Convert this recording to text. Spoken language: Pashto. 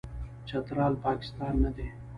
چترال، پاکستان نه دی.